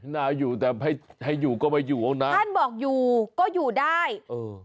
น่าอยู่แต่ให้ให้อยู่ก็มาอยู่ห้องนั้นท่านบอกอยู่ก็อยู่ได้เออ